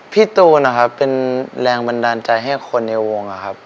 พี่ตูนนะครับเป็นแรงบันดาลใจให้คนในวงนะครับ